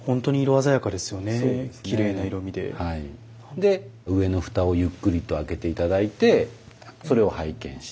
で上の蓋をゆっくりと開けて頂いてそれを拝見して。